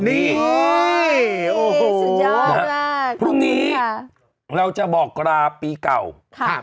นี่โอ้โหสุดยอดมากพรุ่งนี้ค่ะเราจะบอกกราศาสตร์ปีเก่าครับ